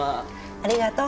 ありがとう。